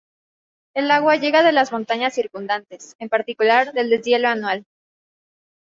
El agua llega de las montañas circundantes, en particular del deshielo anual.